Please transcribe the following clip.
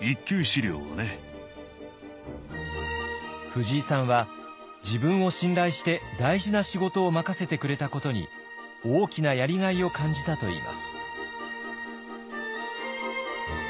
藤井さんは自分を信頼して大事な仕事を任せてくれたことに大きなやりがいを感じたといいます。